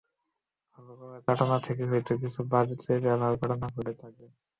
ভালো করার তাড়না থেকেই হয়তো কিছু বাজে ব্যবহারের ঘটনা ঘটে থাকবে।